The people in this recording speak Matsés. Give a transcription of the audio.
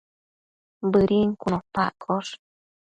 Bëdin cun opa accosh